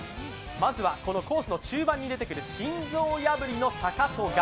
まずはコースの中央に出てくる心臓破りの坂と崖。